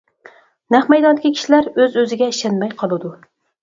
نەق مەيداندىكى كىشىلەر ئۆز كۆزىگە ئىشەنمەي قالىدۇ.